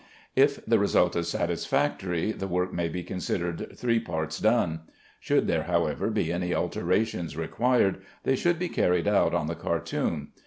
If the result is satisfactory, the work may be considered three parts done. Should there, however, be any alterations required, they should be carried out on the cartoon.